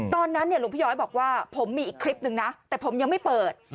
ตอนนั้นหลวงพี่ย้อยบอกว่าผมมีอีกคลิปนึงนะแต่ผมยังไม่เปิด